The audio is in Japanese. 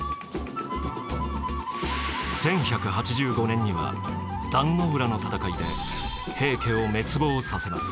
１１８５年には壇ノ浦の戦いで平家を滅亡させます。